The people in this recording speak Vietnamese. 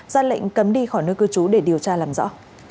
ra lệnh cấm đi khỏi nơi cư trú để điều tra làm rõ